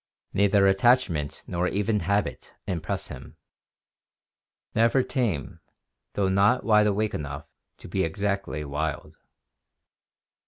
Neither attachment nor even habit impress him; never tame, though not wide awake enough to be exactly wild."